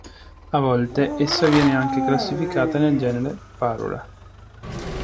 A volte essa viene anche classificata nel genere "Parula".